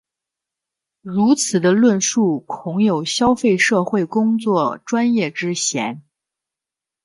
如此的论述恐有消费社会工作专业之嫌。